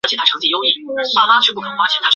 野合在中国古代是指不合社会规范的婚姻。